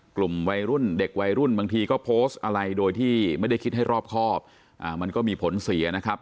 กลุ่มวัยรุ่นเด็กวัยรุ่นบางทีก็โพสต์อะไรโดยที่ไม่ได้คิดให้รอบครอบมันก็มีผลเสียนะครับ